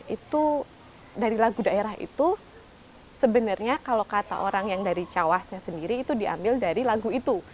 itu dari lagu daerah itu sebenarnya kalau kata orang yang dari cawasnya sendiri itu diambil dari lagu itu